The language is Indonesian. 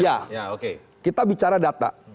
ya kita bicara data